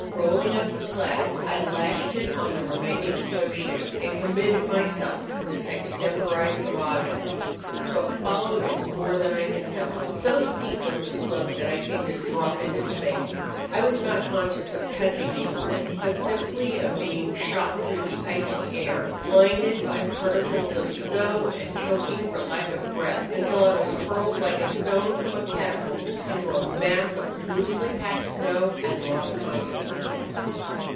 Rolling up the plaid I lashed it on the remaining snow shoe, and committed myself to this extemporized toboggan. "What followed is more than I can tell. So steep was the slope that I seemed to drop into space. I was not conscious of touching anything, but simply of being shot through the icy air, blinded by particles of snow, and choking for lack of breath, until I was hurled like a stone from a catapult into a mass of loosely packed snow, and lost consciousness.